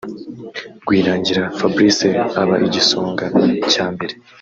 Rwirangira Fabrice aba igisonga cya mbere